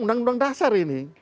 undang undang dasar ini